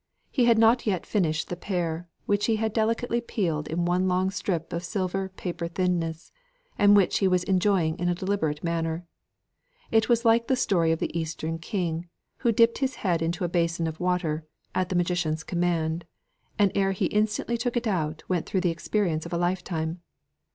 He had not yet finished the pear, which he had delicately peeled in one long strip of silver paper thinness, and which he was enjoying in a deliberate manner. It was like the story of the eastern king, who dipped his head into a basin of water, at the magician's command, and ere he instantly took it out went through the experience of a lifetime.